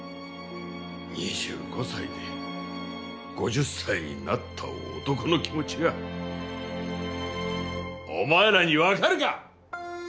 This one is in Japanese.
２５歳で５０歳になった男の気持ちがお前らにわかるか！？